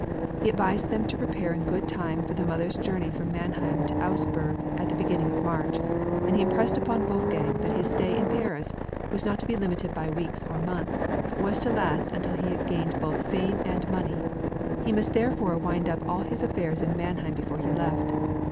He advised them to prepare in good time for the mother's journey from Mannheim to Augsburg at the beginning of March, and he impressed upon Wolfgang that his stay in Paris was not to be limited by weeks or months, but was to last until he had gained both fame and money; he must therefore wind up all his affairs in Mannheim before he left.